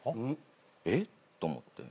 「えっ？」と思って。